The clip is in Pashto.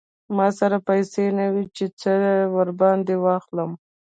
ما سره پیسې نه وې چې څه ور باندې واخلم.